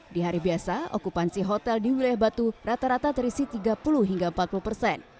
di hari biasa okupansi hotel di wilayah batu rata rata terisi tiga puluh hingga empat puluh persen